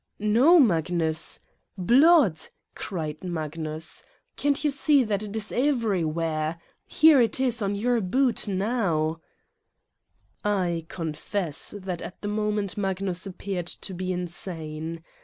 " No, Magnus! "'' Blood !'' cried Magnus. '' Can 't you see that it is everywhere? Here it is on your boot now " I confess that at the moment Magnus appeared to be insane.